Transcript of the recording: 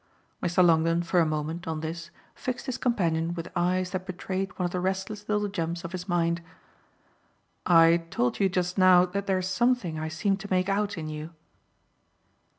Mr. Longdon for a moment, on this, fixed his companion with eyes that betrayed one of the restless little jumps of his mind. "I told you just now that there's something I seem to make out in you."